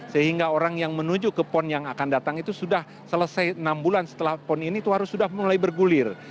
sehingga orang yang menuju ke pon yang akan datang itu sudah selesai enam bulan setelah pon ini itu harus sudah mulai bergulir